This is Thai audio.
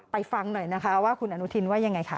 ฟังหน่อยนะคะว่าคุณอนุทินว่ายังไงค่ะ